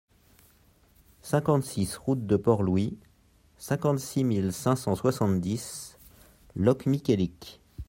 cinquante-six route de Port-Louis, cinquante-six mille cinq cent soixante-dix Locmiquélic